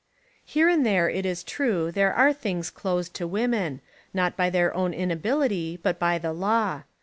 Here and there it Is true there are things closed to women, not by their own Inability but by the law.